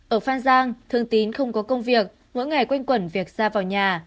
ở phan giang thương tín không có công việc mỗi ngày quanh quẩn việc ra vào nhà